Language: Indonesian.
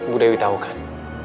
bu dewi tau kan